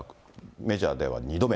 メジャーでは２度目。